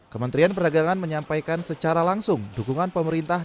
kementerian perdagangan menyampaikan secara langsung dukungan pemerintah